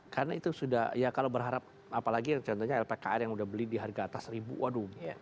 karena itu sudah ya kalau berharap apalagi contohnya lpkr yang sudah beli di harga atas seribu waduh